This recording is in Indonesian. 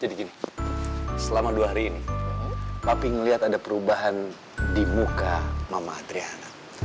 jadi gini selama dua hari ini papi melihat ada perubahan di muka mama adriana